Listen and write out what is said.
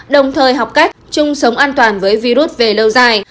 đồng thời học cách chung sống an toàn với virus về lâu dài